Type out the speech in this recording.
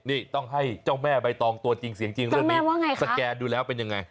นี่ต้องให้เจ้าแม่ไปตองตัวจริงเรื่องมีสแกนดูแล้วเป็นยังไง